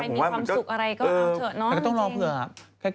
มีความสุขอะไรก็เอาเถอะเนาะ